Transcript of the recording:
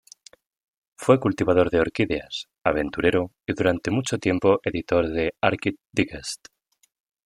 Fue cultivador de orquídeas, aventurero, y durante mucho tiempo editor de "Orchid Digest".